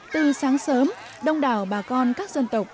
từ sáng sớm đông đảo bà con các dân tộc